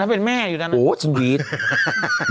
อันนั้นเป็นแม่อยู่ด้านนั้นนะครับโอ้โฮจริง